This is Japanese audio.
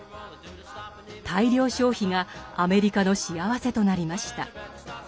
大量消費がアメリカの幸せとなりました。